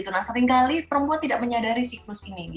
nah seringkali perempuan tidak menyadari siklus ini